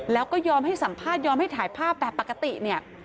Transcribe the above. แล้วก็ยอมให้สัมภาษณ์ยอมให้ถ่ายภาพแบบปกติเนี่ย